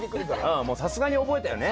うんもうさすがに覚えたよね。